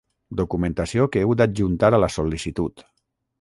Documentació que heu d'adjuntar a la sol·licitud.